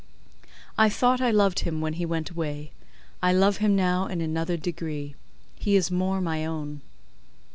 I thought I loved him when he went away; I love him now in another degree: he is more my own.